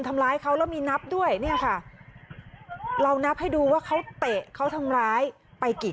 ทำร้ายเขาแล้วมีนับด้วยเนี่ยค่ะเรานับให้ดูว่าเขาเตะเขาทำร้ายไปกี่